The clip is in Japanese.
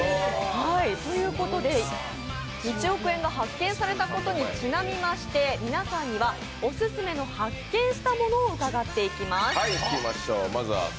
ということで１億円が発見されたことにちなみまして、皆さんにはお勧めの発見したものをお聞きしていきます。